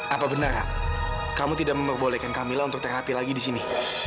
apa benar kamu tidak memperbolehkan kamilah untuk terapi lagi di sini